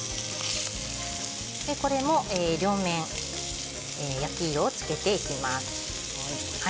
これも両面焼き色をつけていきます。